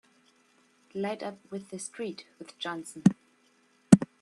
Light up with the street with Johnson!